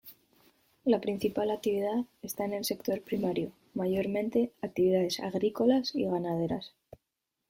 La principal actividad está en el sector primario, mayormente actividades agrícolas y ganaderas.